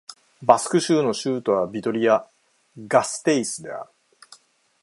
バスク州の州都はビトリア＝ガステイスである